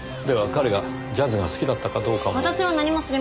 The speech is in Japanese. では彼がジャズが好きだったかどうかも。